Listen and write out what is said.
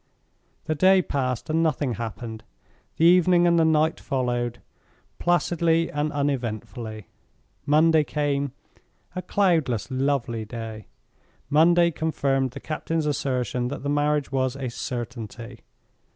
The day passed and nothing happened; the evening and the night followed, placidly and uneventfully. Monday came, a cloudless, lovely day; Monday confirmed the captain's assertion that the marriage was a certainty.